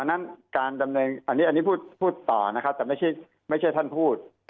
อันนี้พูดต่อนะครับแต่งั้นไม่ใช่ท่านพูด